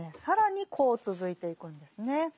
更にこう続いていくんですね。